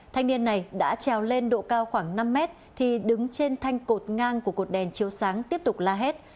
thanh niên này đã trèo lên độ cao khoảng năm mét thì đứng trên thanh cột ngang của cột đèn chiếu sáng tiếp tục la hét